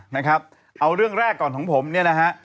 พิมพ์แรกก่อนของผมนี่นะฮะ